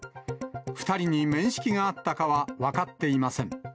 ２人に面識があったかは分かっていません。